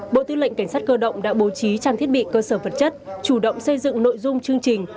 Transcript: bộ tư lệnh cảnh sát cơ động đã bố trí trang thiết bị cơ sở vật chất chủ động xây dựng nội dung chương trình